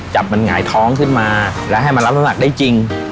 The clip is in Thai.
จับมันหงายท้องขึ้นมาและให้มันรับน้ำหนักได้จริง